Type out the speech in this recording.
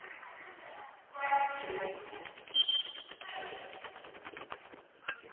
切り替えてほしいです。